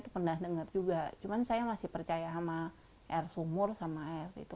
pernah dengar juga cuman saya masih percaya sama air sumur sama air itu